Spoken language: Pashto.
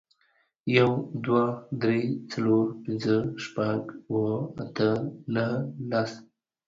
يو، دوه، درې، څلور، پينځه، شپږ، اووه، اته، نهه، لس